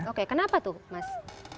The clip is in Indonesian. oke kenapa tuh mas